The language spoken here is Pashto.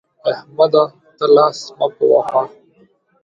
احمده! ته لاس مه په وهه.